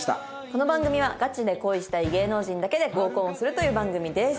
この番組はガチで恋したい芸能人だけで合コンをするという番組です。